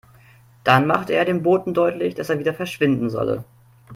Dann machte er dem Boten deutlich, dass er wieder verschwinden solle.